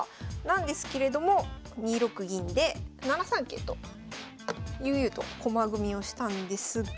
なんですけれども２六銀で７三桂と悠々と駒組みをしたんですが。